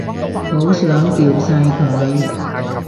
好想掉晒佢